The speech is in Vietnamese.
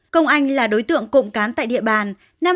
công anh là đối tượng cộng cán tại địa bàn